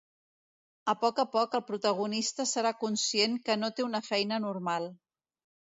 A poc a poc el protagonista serà conscient que no té una feina normal.